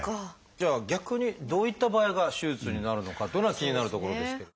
じゃあ逆にどういった場合が手術になるのかっていうのが気になるところですけれど。